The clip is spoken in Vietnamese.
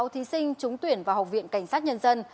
một mươi sáu thí sinh trúng tuyển vào học viện cảnh sát nhân dân